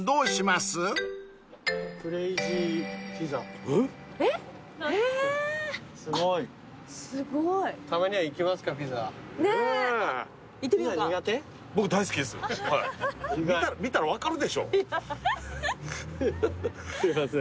すいません。